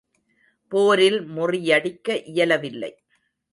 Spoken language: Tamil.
போரில் முறியடிக்க இயலவில்லை.